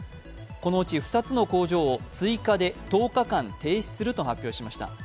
このうち２つの工場を追加で１０日間停止すると発表しました。